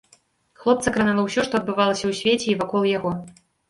Хлопца кранала ўсё, што адбывалася ў свеце і вакол яго.